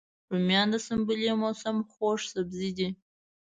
رومیان د سنبلې موسم خوږ سبزی دی